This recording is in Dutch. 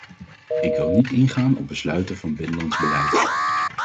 Ik wil niet ingaan op besluiten van binnenlands beleid.